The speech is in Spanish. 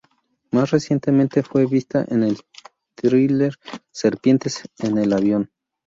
Más recientemente, fue vista en el thriller "Serpientes en el avión".